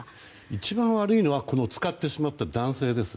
一番悪いのは使ってしまった男性です。